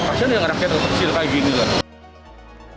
pasien yang rakyat terkesil kayak gini lah